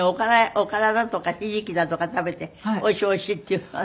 おからだとかひじきだとか食べておいしいおいしいって言うのはね。